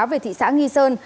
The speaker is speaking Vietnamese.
về thị xã nghi sơn